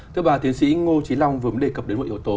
thưa bà tiến sĩ ngô trí long vừa mới đề cập đến một yếu tố